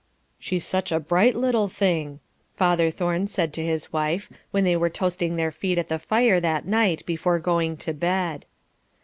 "She's such a bright little thing," father Thorne said to his wife when they were toasting their feet at the fire that night before going to bed.